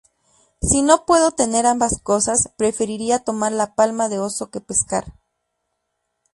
Si no puedo tener ambas cosas, preferiría tomar la palma de oso que pescar.